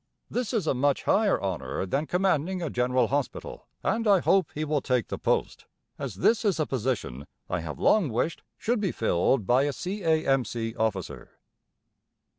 This is a much higher honour than commanding a General Hospital, and I hope he will take the post, as this is a position I have long wished should be filled by a C.A.M.C. officer.